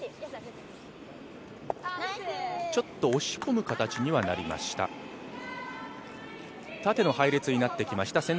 ちょっと押し込む形にはなりました。